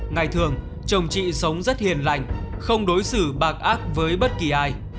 ngày thường chồng chị sống rất hiền lành không đối xử bạc ác với bất kỳ ai